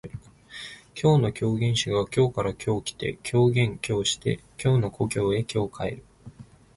今日の狂言師が京から今日来て狂言今日して京の故郷へ今日帰る